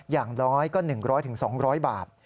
อย่างน้อยก็๑๐๐๒๐๐บาท